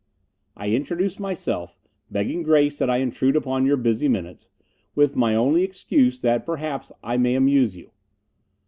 I introduce myself, begging grace that I intrude upon your busy minutes, with my only excuse that perhaps I may amuse you.